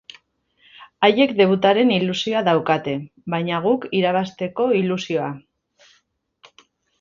Haiek debutaren ilusioa daukate, baina guk irabazteko ilusioa.